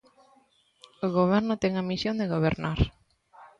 O goberno ten a misión de gobernar.